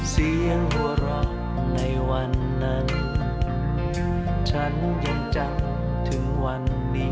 เสียงหัวเราะในวันนั้นฉันยังจำถึงวันนี้